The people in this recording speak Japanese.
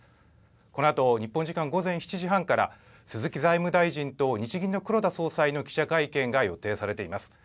このあと日本時間午前７時半から、鈴木財務大臣と日銀の黒田総裁の記者会見が予定されています。